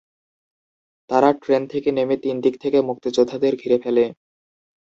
তারা ট্রেন থেকে নেমে তিন দিক থেকে মুক্তিযোদ্ধাদের ঘিরে ফেলে।